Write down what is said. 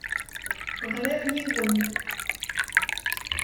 Ɣriɣ yiwen.